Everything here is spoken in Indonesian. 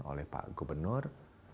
oleh pak gubernur